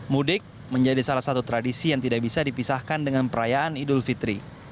mudik menjadi salah satu tradisi yang tidak bisa dipisahkan dengan perayaan idul fitri